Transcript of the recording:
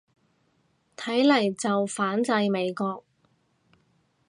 嚟緊就反制美國